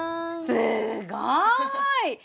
すごい！